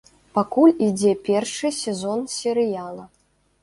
Пакуль ідзе першы сезон серыяла.